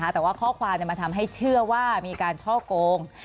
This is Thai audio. แต่ว่าข้อความมันทำให้เชื่อว่ามีการช่อโกง